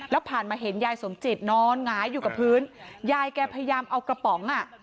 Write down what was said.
แล้วผ่านมาเห็นยายสมจิตนอนหงายอยู่กับพื้นยายแกพยายามเอากระป๋องอ่ะ